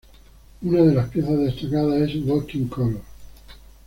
Una de las piezas destacadas es Walking Colours.